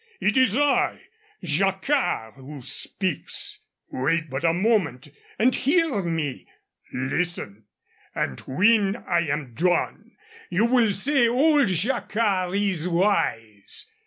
It is I, Jacquard, who speaks. Wait but a moment and hear me. Listen. And when I am done you will say old Jacquard is wise."